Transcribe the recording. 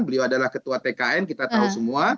beliau adalah ketua tkn kita tahu semua